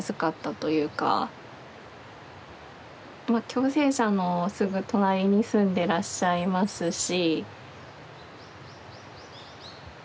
共生舎のすぐ隣に住んでらっしゃいますし。